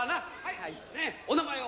お名前を。